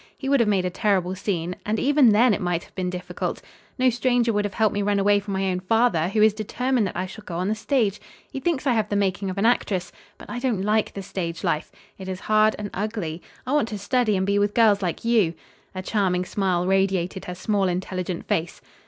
He would have made a terrible scene. And even then, it might have been difficult. No stranger would have helped me run away from my own father, who is determined that I shall go on the stage. He thinks I have the making of an actress. But I don't like the stage life. It is hard and ugly. I want to study, and be with girls like you." A charming smile radiated her small, intelligent face.